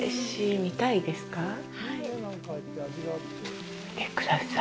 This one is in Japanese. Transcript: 見てください。